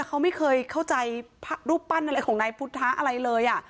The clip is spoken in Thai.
เขาไม่เคยเข้าใจรูปปั้นอะไรของนายพุทธะอะไรเลย